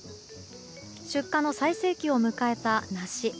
出荷の最盛期を迎えた梨。